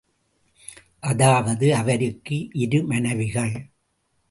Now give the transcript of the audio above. அதாவது அவருக்கு இரு மனைவிகள்.